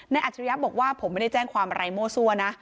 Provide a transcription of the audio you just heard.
ในอัธิรยะบอกว่าผมไม่ได้แจ้งความอะไรโม้ซั่วนะ